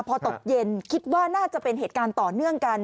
พอตกเย็นคิดว่าน่าจะเป็นเหตุการณ์ต่อเนื่องกัน